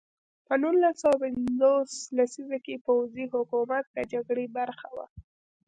په نولس سوه پنځوس لسیزه کې پوځي حکومت د جګړې برخه وه.